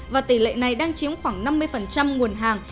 và tỷ lệ này đang chiếm khoảng năm mươi nguồn hàng